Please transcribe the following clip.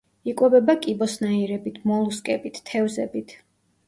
იკვებება კიბოსნაირებით, მოლუსკებით, თევზებით.